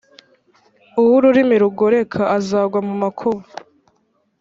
uw’ururimi rugoreka azagwa mu makuba